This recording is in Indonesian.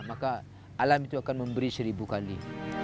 maka alam itu akan memberi seribu kali